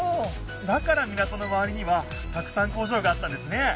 だから港のまわりにはたくさん工場があったんですね！